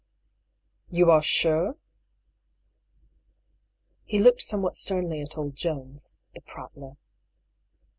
"You are suref* He looked somewhat steml j at old Jones (the prat tler).